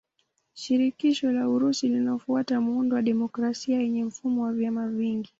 Shirikisho la Urusi linafuata muundo wa demokrasia yenye mfumo wa vyama vingi.